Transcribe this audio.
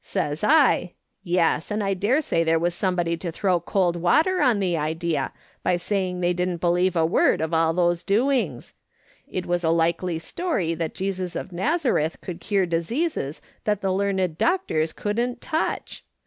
Says I :' Yes, and I dare say there was somebody to throw cold water on the idea by saying they didn't believe a word of all these doings. It was a likely story that Jesus of Nazareth could cure diseases that the learned doctors couldn't touch